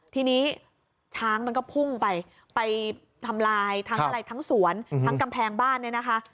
ทีนี้ช้างมันก็พุ่งไปไปทำลายทั้งอะไรทั้งสวนทั้งกำแพงบ้านเนี่ยนะคะ